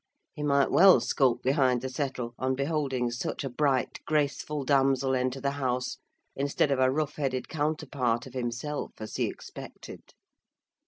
He might well skulk behind the settle, on beholding such a bright, graceful damsel enter the house, instead of a rough headed counterpart of himself, as he expected.